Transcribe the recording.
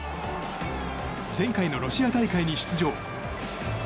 前回のロシア大会に出場。